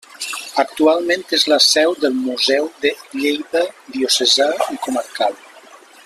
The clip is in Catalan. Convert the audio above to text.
Actualment és la seu del Museu de Lleida Diocesà i Comarcal.